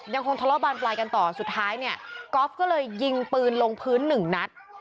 ยังคงทะเลาะบานปลายกันต่อสุดท้ายเนี่ยก๊อฟก็เลยยิงปืนลงพื้นหนึ่งนัด